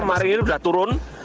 mari ini sudah turun